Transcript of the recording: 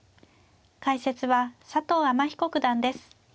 解説は佐藤天彦九段です。